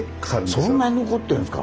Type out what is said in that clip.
そんなに残ってるんですか。